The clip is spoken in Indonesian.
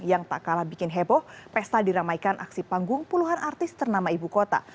yang tak kalah bikin heboh pesta diramaikan aksi panggung puluhan artis ternama ibu kota